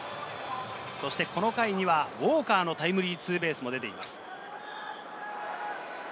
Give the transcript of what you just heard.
そしてこの回にはウォーカーのタイムリーツーベースも出ています。